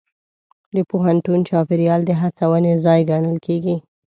د پوهنتون چاپېریال د هڅونې ځای ګڼل کېږي.